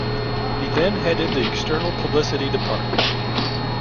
He then headed the External Publicity Department.